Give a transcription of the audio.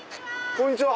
こんにちは！